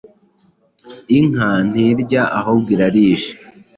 Inka ntirya ahubwo Irarisha